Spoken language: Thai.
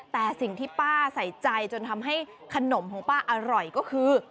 แต่สิ่งที่ป้าใส่ใจจนทำให้ขนมของป้าอร่อยก็คือ